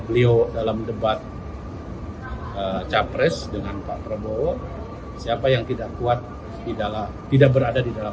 beliau dalam debat capres dengan pak prabowo siapa yang tidak kuat di dalam tidak berada di dalam